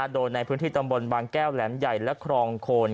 โดยในพื้นที่ตำบลบางแก้วแหลมใหญ่และครองโคน